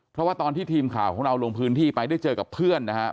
เพราะว่าตอนที่ทีมข่าวของเราลงพื้นที่ไปได้เจอกับเพื่อนนะครับ